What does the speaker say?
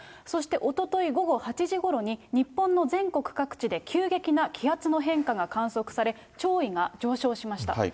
そして、おととい午後８時ごろに、日本の全国各地で急激な気圧の変化が観測され、潮位が上昇しました。